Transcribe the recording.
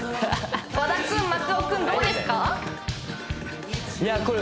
和田君松尾君どうですか？